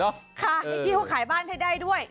ให้พี่เขาขายบ้านให้ได้ด้วย